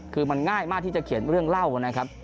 คือมันง่ายมากที่จะเขียนเรื่องเล่านะครับ